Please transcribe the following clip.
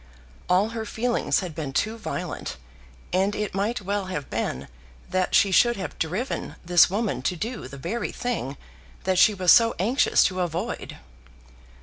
All her feelings had been too violent, and it might well have been that she should have driven this woman to do the very thing that she was so anxious to avoid.